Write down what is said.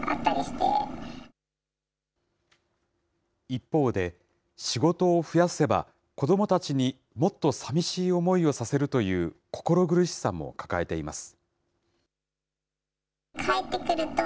一方で、仕事を増やせば、子どもたちにもっとさみしい思いをさせるという心苦しさも抱えています。